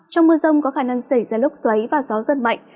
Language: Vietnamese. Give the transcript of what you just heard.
trong mưa rông có khả năng xảy ra lốc xoáy và gió giật mạnh